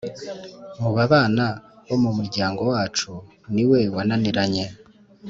mu babana bo mu muryango wacu niwe wananiranye